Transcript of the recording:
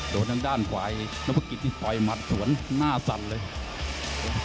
โดนทางด้านขวายน้องพะกิศที่ต่อยมัดสวนหน้าสันเลย